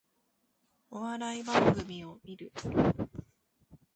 お笑い番組を観る